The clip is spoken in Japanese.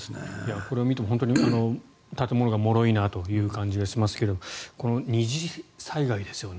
これを見ても本当に建物がもろいなという感じがしますけども二次災害ですよね。